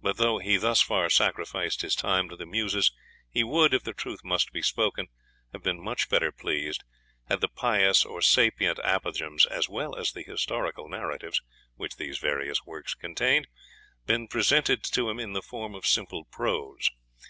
But though he thus far sacrificed his time to the Muses, he would, if the truth must be spoken, have been much better pleased had the pious or sapient apothegms, as well as the historical narratives, which these various works contained, been presented to him in the form of simple prose.